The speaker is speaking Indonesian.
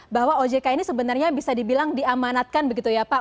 bahwa ojk ini sebenarnya bisa dibilang diamanatkan begitu ya pak